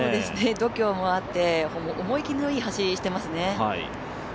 度胸もあって、思い切りのいい走りしてますね。